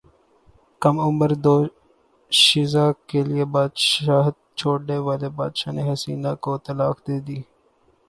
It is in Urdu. کم عمر دوشیزہ کیلئے بادشاہت چھوڑنے والے بادشاہ نے حسینہ کو طلاق دیدی